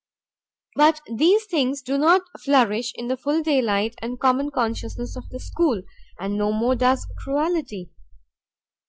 But these things do not flourish in the full daylight and common consciousness of the school, and no more does cruelty.